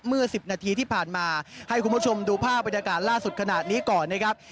เมื่อ๑๐นาทีที่ผ่านมาให้คุณผู้ชมดูภาพบรรยากาศล่าสุดขนาดนี้ก่อนนะครับ